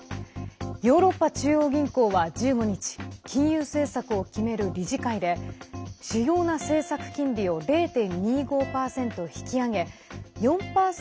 ヨーロッパ中央銀行は１５日金融政策を決める理事会で主要な政策金利を０．２５％引き上げ４％